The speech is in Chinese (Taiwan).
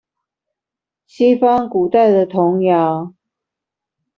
西方古代的童謠